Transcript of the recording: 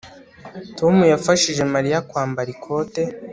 Tom yafashije Mariya kwambara ikote